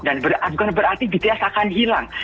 bukan berarti bts akan hilang